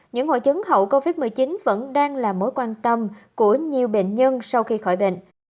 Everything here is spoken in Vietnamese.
những hội chứng hậu covid một mươi chín vẫn đang là mối quan tâm của nhiều bệnh nhân sau khi khỏi bệnh